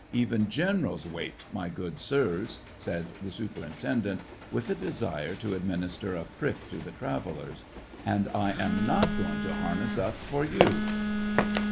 Even generals wait, my good sirs !" said the superintendent, with a desire to adminis ter a prick to the travellers ;" and I am not going to harness up for you."